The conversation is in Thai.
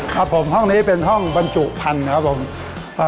ครับผมห้องนี้เป็นห้องบรรจุพันธุ์ครับผมอ่า